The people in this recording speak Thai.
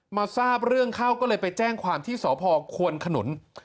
มาทราบเรื่องเข้าก็เลยไปแจ้งความที่สพควนขนุน